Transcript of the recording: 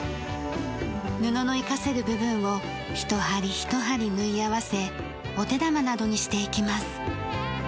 布の生かせる部分をひと針ひと針縫い合わせお手玉などにしていきます。